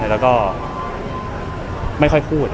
แล้วก็ไม่ค่อยพูด